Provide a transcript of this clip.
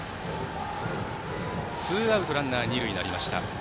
ツーアウト、ランナー、二塁になりました。